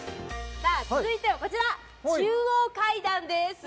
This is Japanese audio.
さあ続いてはこちら中央階段